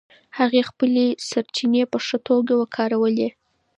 هغې خپلې سرچینې په ښه توګه وکارولې.